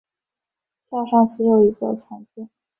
票上有写一个惨字